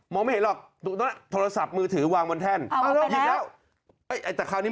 มองไม่เห็นหรอกโทรศัพท์มือถือวางบนแท่นเอาลงไปแล้วเอ๊ะแต่คราวนี้